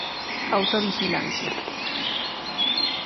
Autovigilancia